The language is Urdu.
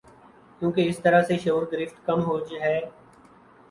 کیونکہ اس طرح سے شعور گرفت کم ہو ج ہے